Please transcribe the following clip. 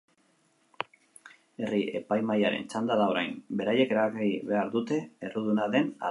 Herri-epaimahaiaren txanda da orain, beraiek erabaki behar dute erruduna den ala ez.